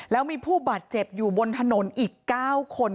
แล้วมีผู้บาดเจ็บอยู่บนถนนอีก๙คน